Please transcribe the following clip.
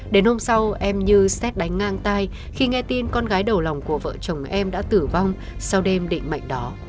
đến hôm sau em như xét đánh ngang tai khi nghe tin con gái đầu lòng của vợ chồng em đã tử vong sau đêm định mệnh đó